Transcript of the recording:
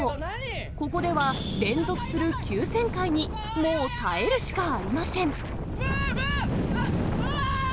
ここでは、連続する急旋回に、もう耐えるしかありません。